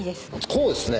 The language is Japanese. こうですね。